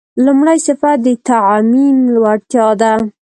لومړی صفت د تعمیم وړتیا ده.